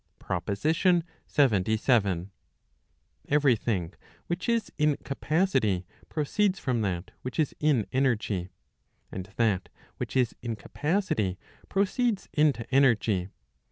PROPOSITION LXXVII. Every thing which is in capacity proceeds from that which is it): energy. And that which is in capacity, proceeds into energy.